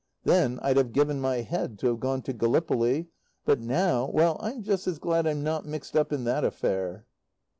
Then I'd have given my head to have gone to Gallipoli; but now, well, I'm just as glad I'm not mixed up in that affair.